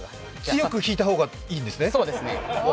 強く引いた方がいいんですね。